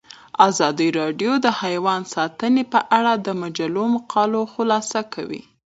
ازادي راډیو د حیوان ساتنه په اړه د مجلو مقالو خلاصه کړې.